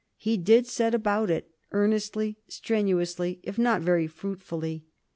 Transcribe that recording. He did set about it, earnestly, strenuously, if not very fruitfully.